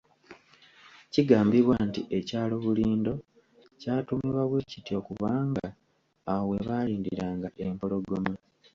Kigambibwa nti ekyalo Bulindo ky'atuumibwa bwe kityo kubanga awo we baalindiranga empologoma.